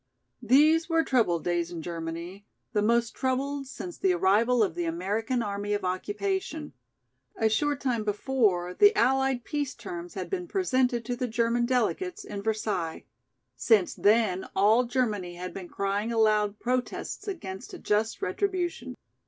These were troubled days in Germany, the most troubled since the arrival of the American Army of Occupation. A short time before the allied peace terms had been presented to the German delegates in Versailles; since then all Germany had been crying aloud protests against a just retribution.